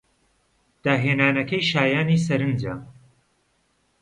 داهێنانەکەی شایانی سەرنجە.